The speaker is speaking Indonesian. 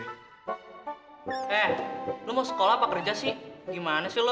eh lo mau sekolah apa kerja sih gimana sih lo